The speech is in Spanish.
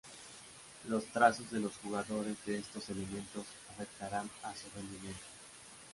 Los trazos de los jugadores de estos elementos afectarán a su rendimiento.